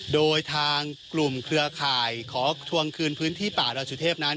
โดยทางกลุ่มเครือข่ายขอทวงคืนพื้นที่ป่าดอยสุเทพนั้น